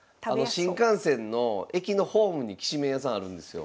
新幹線の駅のホームにきしめん屋さんあるんですよ。